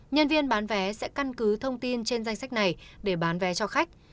nhân viên bán vé sẽ căn cứ thông tin trên danh sách này để bán vé cho khách